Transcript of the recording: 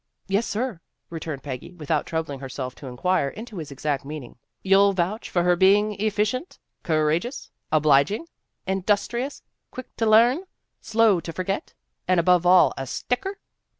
"" Yes, sir," returned Peggy, without troub ling herself to inquire into his exact meaning. " You'll vouch for her being efficient, cour teous, obliging, industrious, quick to learn, slow to forget, and above all a sticker."